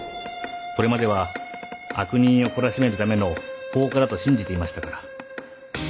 これまでは悪人を懲らしめるための放火だと信じていましたから。